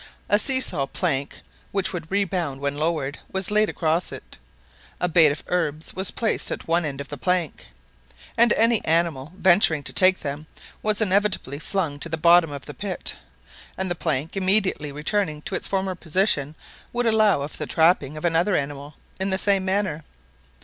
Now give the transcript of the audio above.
A see saw plank, which would rebound when lowered, was laid across it. A bait of herbs was placed at one end of the plank, and any animal venturing to take them, was inevitably flung to the bottom of the pit, and the plank immediately returning to its former position, would allow of the trapping of another animal in the same manner.